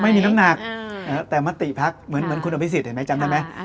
ไม่มีน้ำหนักแต่มติพักเหมือนคุณอภิษฎเห็นไหมจำได้ไหม